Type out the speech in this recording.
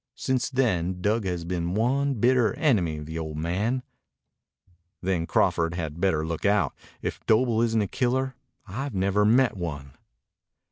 Since then Dug has been one bitter enemy of the old man." "Then Crawford had better look out. If Doble isn't a killer, I've never met one."